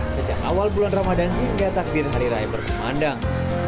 sejak awal bulan ramadan hingga takdir hari raya berpemandang